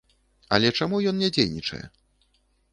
Але чаму ён не дзейнічае?